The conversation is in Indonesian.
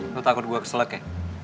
lo takut gue keselek ya